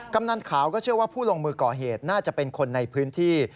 กำนันขาวก็เชื่อว่าผู้ลงมือก่อเหตุน่าจะเป็นคนในพื้นที่